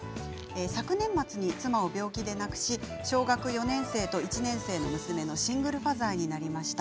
昨年末に妻を病気で亡くし小学４年生と１年生の娘のシングルファーザーになりました。